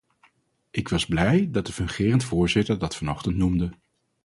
Ik was blij dat de fungerend voorzitter dat vanochtend noemde.